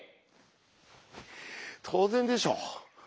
当然でしょ。